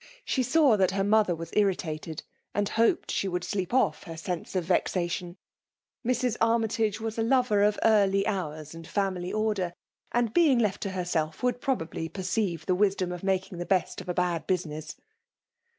She saw that her mother was irrHaled; and hoped she would sleep off her sense of Texation. Mrs. Armytage 22 FBM ALE JX>MINAnON. was a lover of early hoars and family order ; a&d being left to herself, would probably per eeiTe the wisdom of making the best of a bad business.